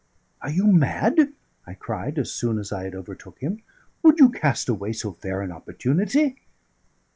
"Are you mad?" I cried, so soon as I had overtook him. "Would you cast away so fair an opportunity?"